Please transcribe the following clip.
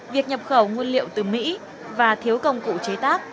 việc nhập khẩu nguyên liệu từ mỹ và thiếu công cụ chế tác